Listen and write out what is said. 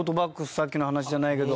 さっきの話じゃないけど。